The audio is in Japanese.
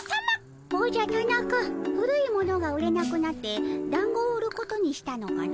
おじゃタナカ古いものが売れなくなってだんごを売ることにしたのかの？